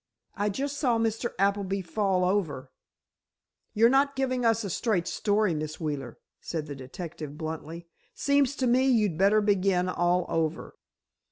I just saw Mr. Appleby fall over——" "You're not giving us a straight story, Miss Wheeler," said the detective, bluntly. "Seems to me you'd better begin all over."